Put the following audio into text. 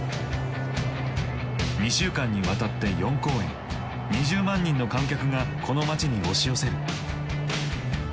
２週間にわたって４公演２０万人の観客がこの街に押し寄せる。